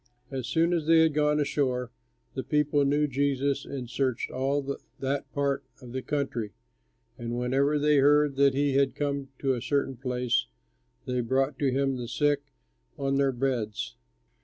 As soon as they had gone ashore, the people knew Jesus and searched all that part of the country, and whenever they heard that he had come to a certain place, they brought to him the sick on their beds.